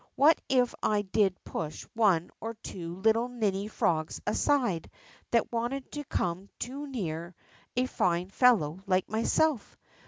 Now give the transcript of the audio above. What if I did push one or two little ninny frogs aside that wanted to come too near a fine fellow like myself